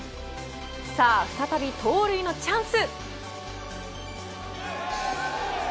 さあ再び盗塁のチャンス。